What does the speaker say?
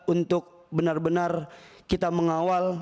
untuk benar benar kita mengawal